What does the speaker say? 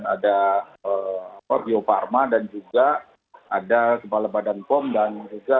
ada ordeo parma dan juga ada kepala badan kom dan juga